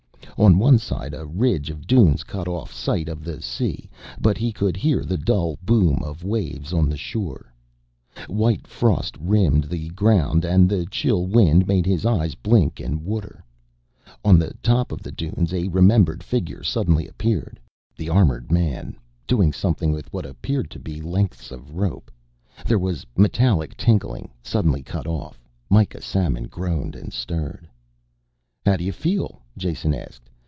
On one side a ridge of dunes cut off sight of the sea, but he could hear the dull boom of waves on the shore. White frost rimed the ground and the chill wind made his eyes blink and water. On the top of the dunes a remembered figure suddenly appeared, the armored man, doing something with what appeared to be lengths of rope; there was metallic tinkling, suddenly cut off. Mikah Samon groaned and stirred. "How do you feel," Jason asked.